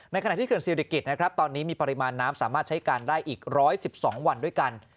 ในขณะที่เกิดศีริกิจตอนนี้มีปริมาณน้ำสามารถใช้การได้อีก๑๑๒วันด้วยกัน